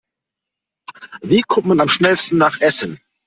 Wie kommt man am schnellsten nach Essen?